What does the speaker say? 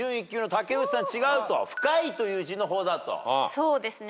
そうですね。